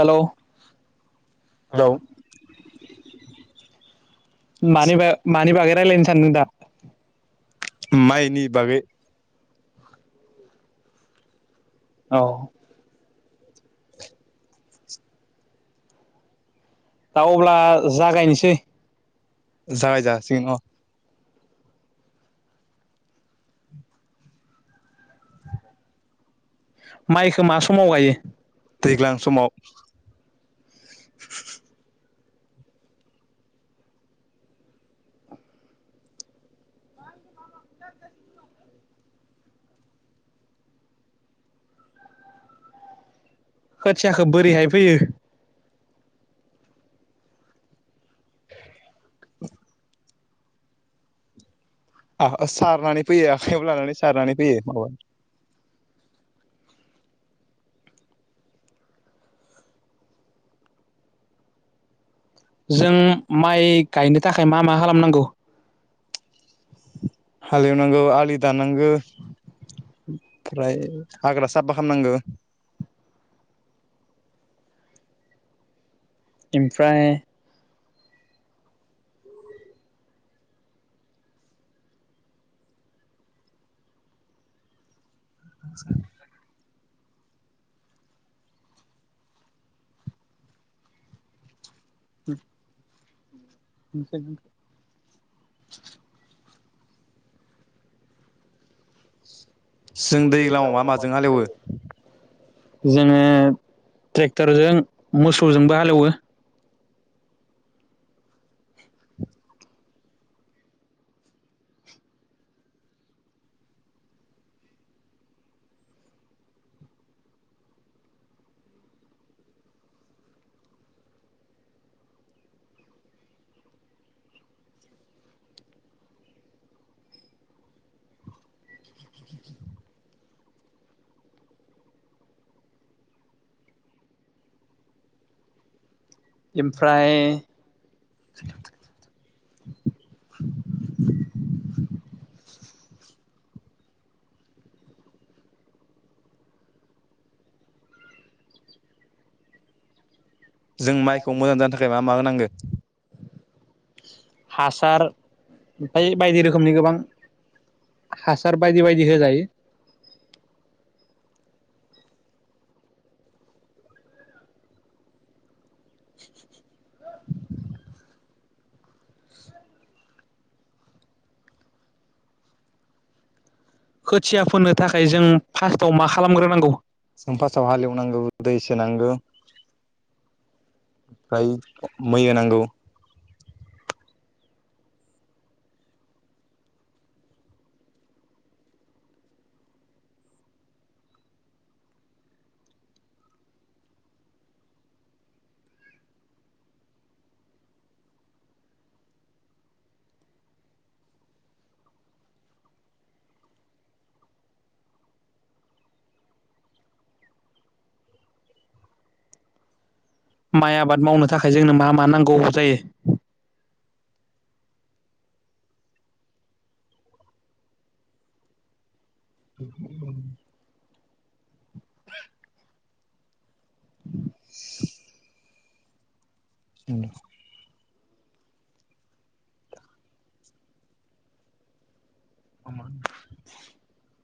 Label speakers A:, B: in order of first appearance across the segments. A: हेल'
B: हेल'
A: मानि बा मानि बागै रायलायनो सानदों दा?
B: माइनि बागै।
A: औ। दा अब्ला जागायनोसै।
B: जागाय जासिगोन न'
A: माइखौ मा समाव गायो?
B: दैज्लां समाव।
A: खोथियाखो बोरैहाय फैयो?
B: [inaudible] सारनानै फैयो आखाइयाव लानानै सारनानै फैयो
A: जों माइ गायनो थाखाय मा मा खालामनांगौ?
B: हालेवनांगौ आलि दानांगौ। फ्राय हाग्रा साफा खालामनांगौ।
A: ओमफ्राय।
B: [inaudible]
A: [inaudible] [unintelligible]
B: जों दैज्लाङाव मा माजों हालेवो?
A: जोंङो ट्रेक्टरजों मोसौजोंबो हालेवो। ओमफ्राय।
B: [inaudible]
A: [inaudible]
B: जों माइखौ मोजां जानो थाखाय मा मा होनांगोन?
A: हासार ओमफ्राय बायदि रोखोमनि गोबां हासार बायदि बायदि होजायो खोथिया फोनो थाखाय जों फार्स्टआव मा खालामग्रोनांगौ?
B: जों फार्स्टआव हालेवनांगौ दै सोनांगौ। फ्राय मै होनांगौ।
A: माइ आबाद मावनो थाखाय जोंनो मा मा नांगौ जायो?
B: [inaudible] [unintelligible] [unintelligible] उ [unintelligible] आं माहोनो।
A: [unintelligible]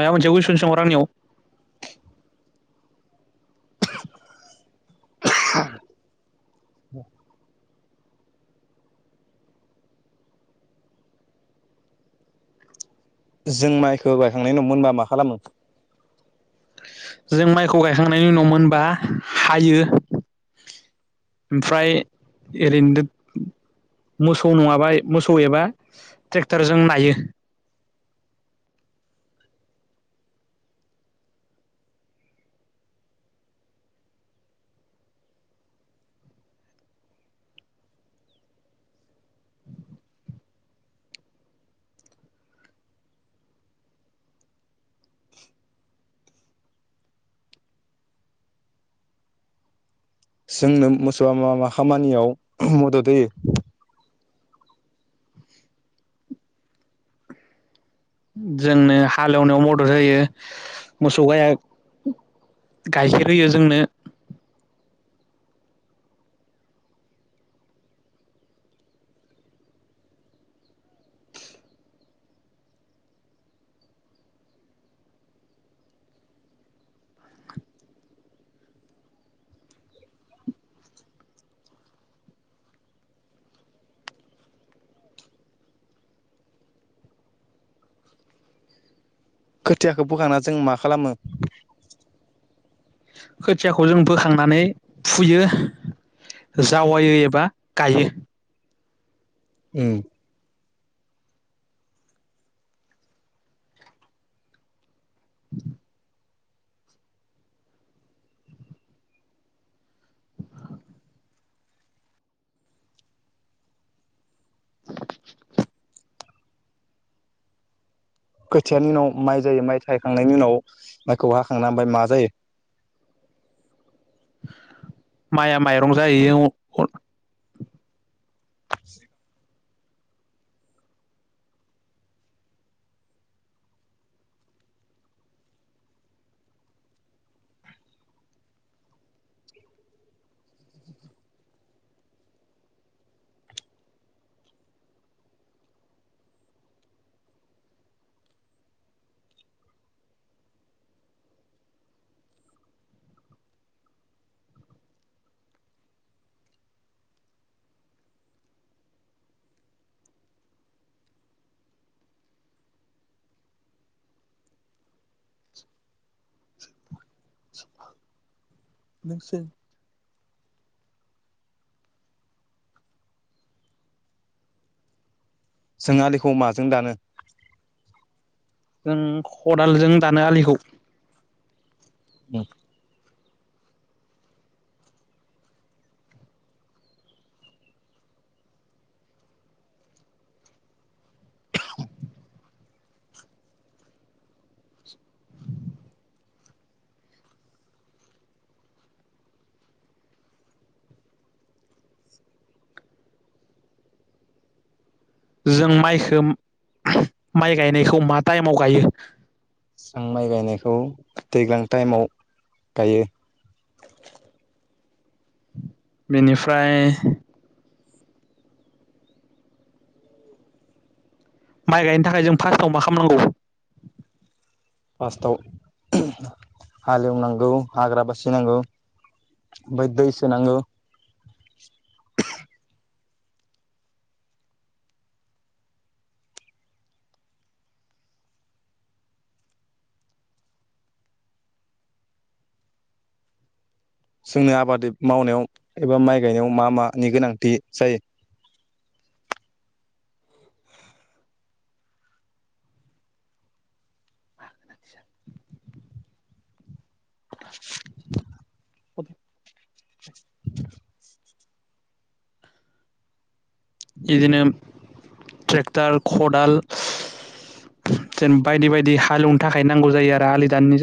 A: माबा मोनसे कुयेशन सोंहर आंनियाव?
B: ह [unintelligible] जों माइखौ गायखांनायनि उनाव मोनबा मा खालामो?
A: जों माइखौ गायखांनायनि उनाव मोनबा हायो। ओमफ्राय ओरैनोदो मोसौ नङाबाय मोसौ एबा ट्रेक्टरजों नायो।
B: जोंनो मोसौआ मा मा खामानियाव मदद होयो?
A: जोंनो हालेवनायाव मदद होयो। मोसौ गाया गाइखेर होयो जोंनो।
B: खोथियाखौ फोखांना जों मा खालामो?
A: खोथियाखौ जों फोखांनानै फुयो। जावायो एबा गायो।
B: उम। खोथियानि उनाव माइ जायो माइ थायखांनायनि उनाव माइखौ हाखांना ओमफ्राय मा जायो?
A: माइआ माइरं जायो।
B: ज [unintelligible]
A: नोंसोर?
B: जों आलिखौ माजों दानो?
A: जों खदालजों दानो आलिखौ।
B: ओम।
A: जों माइखौ माइ गायनायखौ मा टाइमआव गायो?
B: जों माइ गायनायखौ दैज्लां टाइमाव गायो।
A: बेनिफ्राय माइ गायनो थाखाय जों फार्स्टआव मा खालामनांगौ?
B: फार्स्टआव हालेवनांगौ हाग्रा बासिनांगौ। ओमफ्राय दै सोनांगौ। जोंनो आबाद मावनायाव एबा माइ गायनायाव मा मानि गोनांथि जायो?
A: खद [unintelligible]
B: [unintelligible]
A: बिदिनो ट्रेक्टर खदाल जेनब बायदि बायदि हालेवनो थाखाय नांगौ जायो आरो आलि दाननो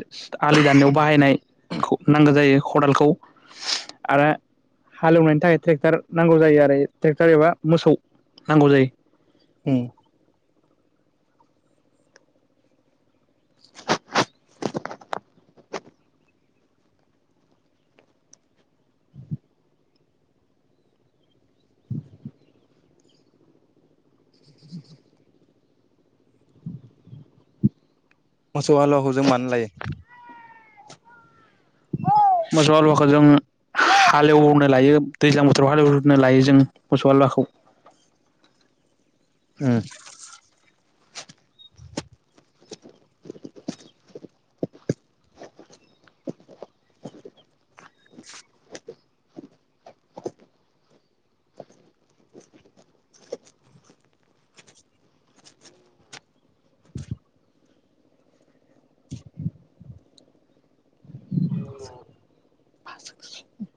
A: आलि दाननायाव बाहायनाय खौ नांगौ जायो खदालखौ आरो हालेवनायनि थाखाय ट्रेक्टर नांगौ जायो आरो ट्रेक्टर एबा मोसौ नांगौ जायो।
B: उम।
A: [unintelligible]
B: मोसौ हालुवाखौ जों मानो लायो?
A: मोसौ हालुवाखौ जों हालेवनो लायो दैज्लां बोथोराव हालेवननो लायो जों मोसौ हालुवाखौ
B: उम [inaudible] [inaudible]
A: [inaudible]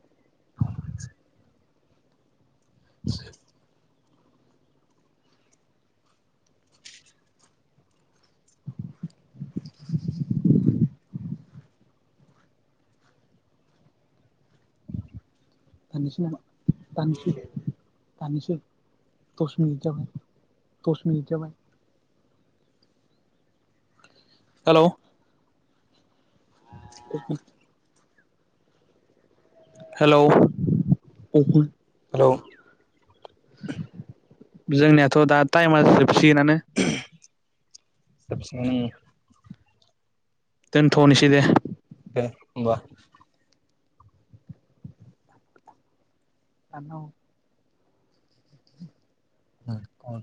B: [inaudible]
A: [unintelligible] दानोसै दस मिनिट जाबाय दस मिनिट जाबाय हेलौ [inaudible] हेलौ
B: हेलौ
A: जोंनियाथ दा टाइमा जोबसिगोनानो
B: [unintelligible]
A: दोनथनिसै दे
B: दे होनबा
A: दानना हर
B: उम